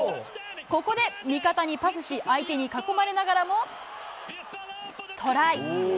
ここで味方にパスし、相手に囲まれながらも、トライ。